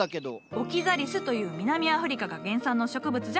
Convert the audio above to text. オキザリスという南アフリカが原産の植物じゃ。